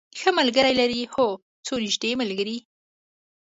ښه ملګری لرئ؟ هو، څو نږدې ملګری